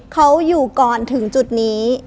เขาอยู่ก่อนถึงจุดนี้